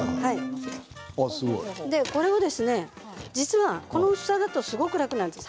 これを実はこの薄さだとすごく楽なんです。